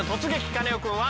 カネオくん」は？